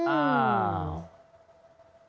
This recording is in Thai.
อ้าว